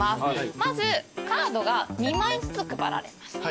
まずカードが２枚ずつ配られます。